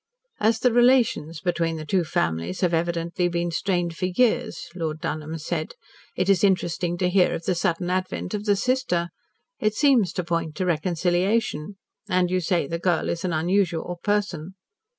"As the relations between the two families have evidently been strained for years," Lord Dunholm said, "it is interesting to hear of the sudden advent of the sister. It seems to point to reconciliation. And you say the girl is an unusual person.